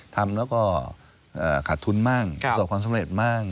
ทำแล้วก็ขาดทุนมากสร้างความสำเร็จมาก